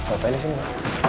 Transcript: apaan ini semua